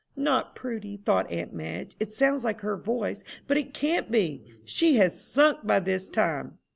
"Not Prudy," thought aunt Madge. "It sounds like her voice, but it can't be. She has sunk by this time!"